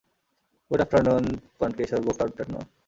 Good afternoon, Panshekar - good afternoon.